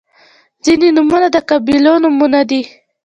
• ځینې نومونه د قبیلو نومونه دي.